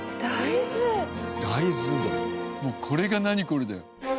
もうこれがナニコレだよ。